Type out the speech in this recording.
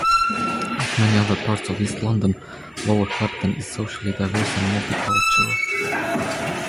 Like many other parts of East London, Lower Clapton is socially diverse and multicultural.